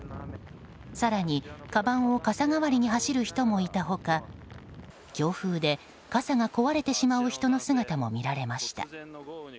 更に、かばんを傘代わりに走る人もいた他強風で傘が壊れてしまう人の姿も見られました。